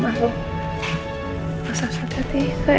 maksudnya sudah dikira